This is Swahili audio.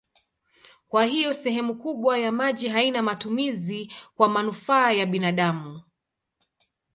Kwa hiyo sehemu kubwa ya maji haina matumizi kwa manufaa ya binadamu.